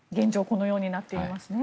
このようになっていますね。